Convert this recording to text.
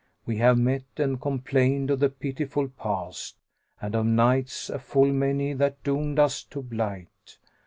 We have met and complained of the pitiful Past, * And of nights a full many that doomed us to blight.